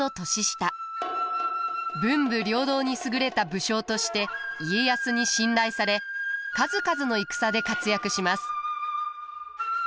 文武両道に優れた武将として家康に信頼され数々の戦で活躍します。